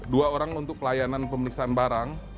dua orang untuk pelayanan pemeriksaan barang